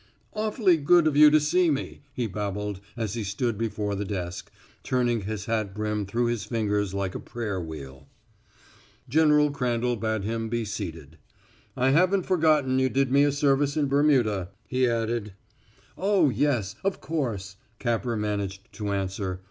"Awfully good of you to see me," he babbled as he stood before the desk, turning his hat brim through his fingers like a prayer wheel. General Crandall bade him be seated. "I haven't forgotten you did me a service in Burma," he added. "Oh, yes of course," Capper managed to answer.